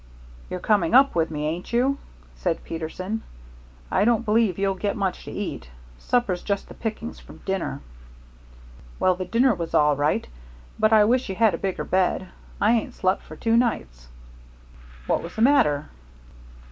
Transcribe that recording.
"You're coming up with me, ain't you?" said Peterson. "I don't believe you'll get much to eat. Supper's just the pickings from dinner." "Well, the dinner was all right. But I wish you had a bigger bed. I ain't slept for two nights." "What was the matter?"